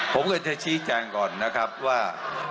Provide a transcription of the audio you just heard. ผมก็เลยจะชี้แจงก่อนนะครับว่า